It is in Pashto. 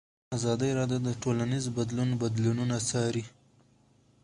ازادي راډیو د ټولنیز بدلون بدلونونه څارلي.